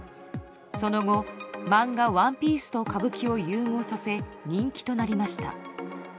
その後漫画「ＯＮＥＰＩＥＣＥ」と歌舞伎を融合させ人気となりました。